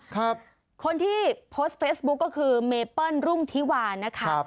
คนที่โพสต์เฟซบุ๊คก็คือเมเปิ้ลรุ่งธิวานะคะ